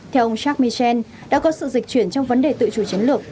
theo ông jacques michel đã có sự dịch chuyển trong vấn đề tự chủ chiến lược